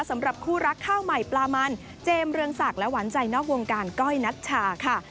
สำหรับคู่รักข้าวใหม่ปลามันเจมส์เรืองศักดิ์และหวานใจนอกวงการก้อยนัชชาค่ะ